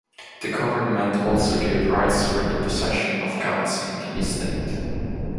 The Government also gave rights for the possession of guns in the estate.